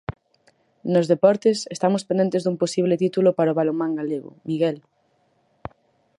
Nos deportes, estamos pendentes dun posible título para o balonmán galego, Miguel.